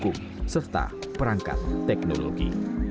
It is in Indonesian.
pertama perangkat teknologi